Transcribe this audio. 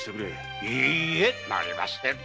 いいえなりませぬ。